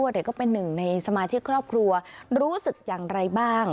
เด็กก็เป็นหนึ่งในสมาชิกครอบครัวรู้สึกอย่างไรบ้าง